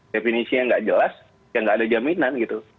definisinya nggak jelas ya nggak ada jaminan gitu